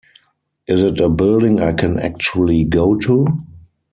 Is it a building I can actually go to?